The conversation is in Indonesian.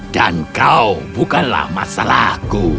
dan kau bukanlah masalahku